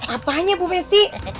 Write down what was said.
apanya bu messi